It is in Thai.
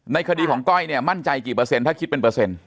คดีของก้อยเนี่ยมั่นใจกี่เปอร์เซ็นถ้าคิดเป็นเปอร์เซ็นต